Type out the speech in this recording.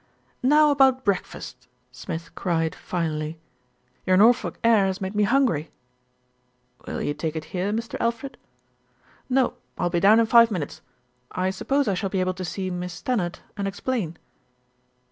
"Now about breakfast," Smith cried finally. "Your Norfolk air has made me hungry." "Will you take it here, Mr. Alfred?" "No. I'll be down in five minutes. I suppose I shall be able to see Miss Stannard and explain."